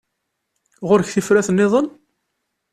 Ɣur-k tifrat-nniḍen?